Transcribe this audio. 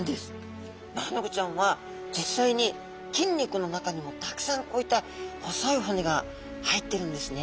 マアナゴちゃんは実際に筋肉の中にもたくさんこういった細い骨が入ってるんですね。